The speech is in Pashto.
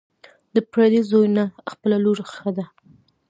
ـ د پردي زوى نه، خپله لور ښه ده.